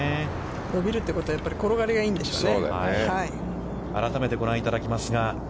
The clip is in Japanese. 伸びるってことは、転がりがいいんでしょうね。